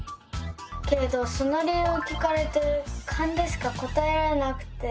けれどその理由を聞かれてカンでしか答えられなくて。